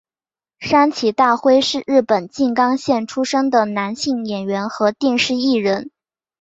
山崎大辉是日本静冈县出生的男性演员和电视艺人。